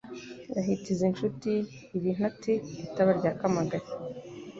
Yahitiza inshuti iba intati I Taba rya Kamagari